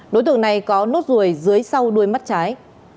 đối tượng này có nốt ruồi dưới sau đuôi mắt trái